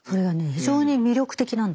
非常に魅力的なんですね。